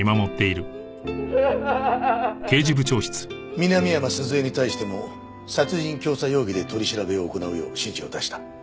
南山鈴江に対しても殺人教唆容疑で取り調べを行うよう指示を出した。